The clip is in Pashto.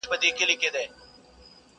o يار دي مي تور جت وي، زما دي اسراحت وي!